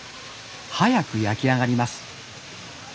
早く焼き上がります。